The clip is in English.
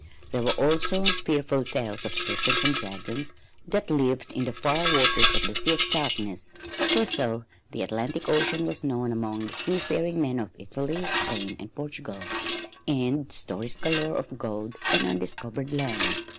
There were also fearful tales of serpents and dragons that lived in the far waters of the "Sea of Darkness," for so the Atlantic Ocean was known among the seafaring men of Italy, Spain and Portugal, and stories galore of gold and undiscovered land.